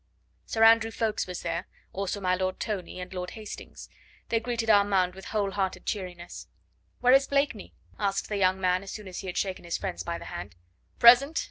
Sir Andrew Ffoulkes was there, also my Lord Tony, and Lord Hastings. They greeted Armand with whole hearted cheeriness. "Where is Blakeney?" asked the young man as soon as he had shaken his friends by the hand. "Present!"